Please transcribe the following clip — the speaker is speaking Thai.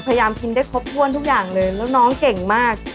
พยายามกินได้ครบถ้วนทุกอย่างเลยแล้วน้องเก่งมาก